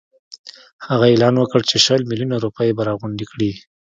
هغه اعلان وکړ چې شل میلیونه روپۍ به راغونډي کړي.